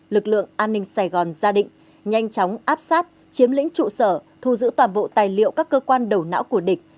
lực lượng an ninh sài gòn ra định nhanh chóng áp sát chiếm lĩnh trụ sở thu giữ toàn bộ tài liệu các cơ quan đầu não của địch